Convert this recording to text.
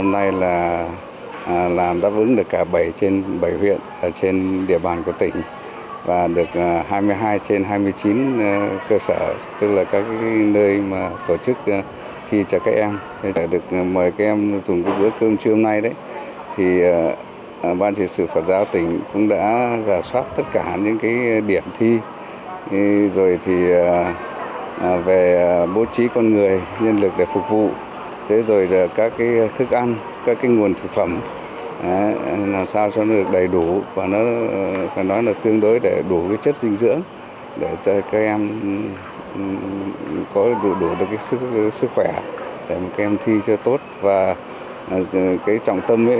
năm nay ban chỉ sự phật giáo tỉnh tuyên quang đã phối hợp với hội liên hiệp thanh niên tỉnh tuyên quang tổ chức hoạt động tiếp sức mùa thi